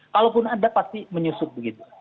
kalaupun ada pasti menyusup begitu